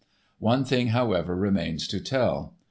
One thing, however, remains to tell.